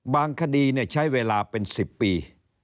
คดีใช้เวลาเป็น๑๐ปี